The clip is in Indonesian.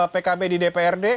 pkb di dprd